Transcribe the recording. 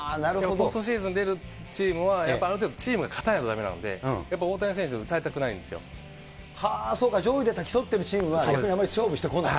ポストシーズン出るチームは、やっぱりある程度、チームが勝たないとだめなんで、大谷選手打たそうか、上位で競ってるチームは、逆にあんまり勝負してこない？